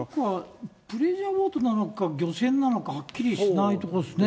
プレジャーボートなのか、漁船なのかはっきりしないとこですね。